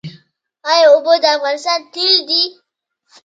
آیا اوبه د افغانستان تیل دي؟